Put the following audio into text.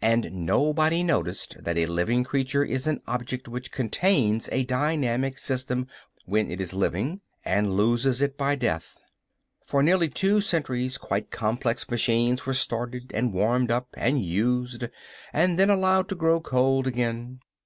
And nobody noticed that a living creature is an object which contains a dynamic system when it is living, and loses it by death. For nearly two centuries quite complex machines were started, and warmed up, and used, and then allowed to grow cold again.